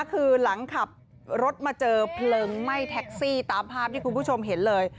คือหลังขับรถมาเจอเพลิงไหม้แท็กซี่ตามภาพที่คุณผู้ชมเห็นเลย